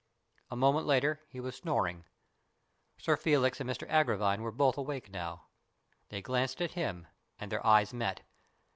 A moment later he was snoring. Sir Felix and Mr Agravine were both awake now. They glanced at him and their eyes met.